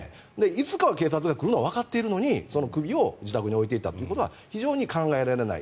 いつかは警察が来るのはわかっているのに首を自宅に置いていたということは非常に考えられない。